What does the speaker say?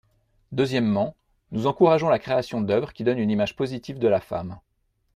Deuxièmement, nous encourageons la création d’œuvres qui donnent une image positive de la femme.